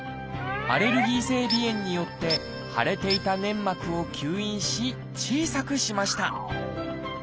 アレルギー性鼻炎によって腫れていた粘膜を吸引し小さくしました。